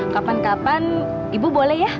kapan kapan ibu boleh ya